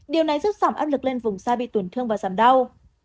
điều này giúp giảm áp lực lên vùng xa bị tổn thương và giảm đau